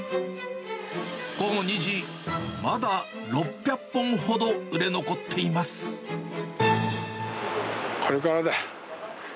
午後２時、まだ６００本ほど売れこれからだ！